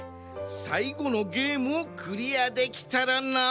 さいごのゲームをクリアできたらな。